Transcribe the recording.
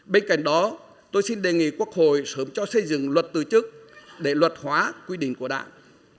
bên cạnh đó tôi xin đề nghị quốc hội sớm cho xây dựng luật từ chức để luật hóa quy định của đảng